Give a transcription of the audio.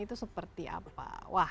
itu seperti apa